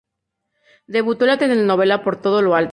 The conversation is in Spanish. Debutó en la telenovela "Por todo lo alto".